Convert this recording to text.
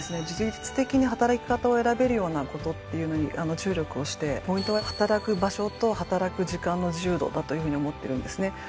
自律的に働き方を選べるようなことっていうのに注力をしてポイントは働く場所と働く時間の自由度だというふうに思ってるんですね。